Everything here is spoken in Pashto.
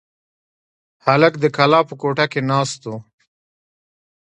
هلک د کلا په کوټه کې ناست و.